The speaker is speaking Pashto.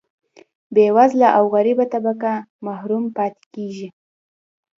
بیوزله او غریبه طبقه محروم پاتې کیږي.